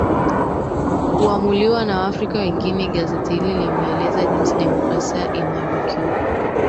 kuamuliwa na waafrika wenyewe gazeti hili limeeleza jinsi demokrasia inavyokiukwa